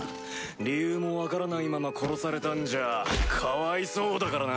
理由も分からないまま殺されたんじゃかわいそうだからな。